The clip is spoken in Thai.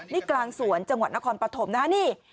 นี่กลางสวนจังหวัดนครปฐมนะฮะนี่